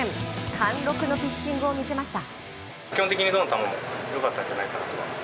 貫禄のピッチングを見せました。